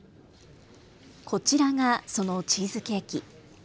こちらがそのチーズケーキ。